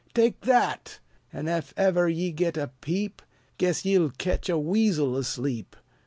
"Take that! an' ef ever ye git a peep, Guess ye'll ketch a weasel asleep!